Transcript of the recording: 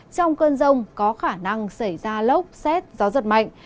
trong cơn rông có khả năng xảy ra lốc xét gió giật mạnh